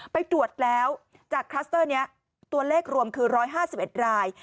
ไปตรวจแล้วจากคลัสเตอร์นี้ตัวเลขรวมคือร้อยห้าสิบเอ็ดราย